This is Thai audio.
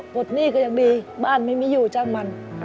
หนี้ก็ยังดีบ้านไม่มีอยู่จ้างมัน